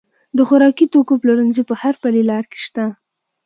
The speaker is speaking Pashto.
د خوراکي توکو پلورنځي په هر پلې لار کې شته.